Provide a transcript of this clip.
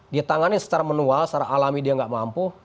dia tangan ini secara manual secara alami dia nggak mampu